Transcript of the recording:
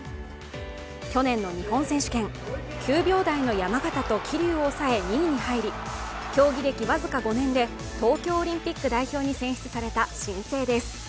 去年の日本選手権、９秒台の山縣と桐生を抑え２位に入り、競技歴僅か５年で東京オリンピック代表に選出された新星です。